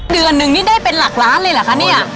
เดือนนึงนี่ได้เป็นหลักล้านเลยเหรอคะเนี่ย